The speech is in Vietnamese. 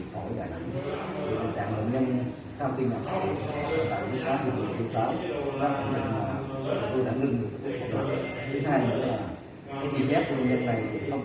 thứ hai nữa là cái tiền giáp của bệnh nhân này thì không có tỉnh báo